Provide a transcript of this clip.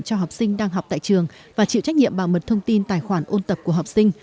cho học sinh đang học tại trường và chịu trách nhiệm bảo mật thông tin tài khoản ôn tập của học sinh